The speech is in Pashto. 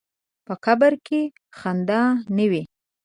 په قبر کې خندا نه وي.